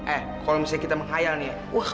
eh kalau misalnya kita menghayal nih